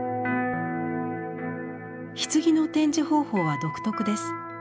棺の展示方法は独特です。